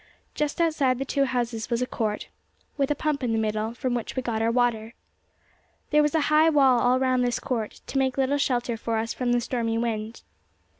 Just outside the two houses was a court, with a pump in the middle, from which we got our water. There was a high wall all round this court, to make a little shelter for us from the stormy wind.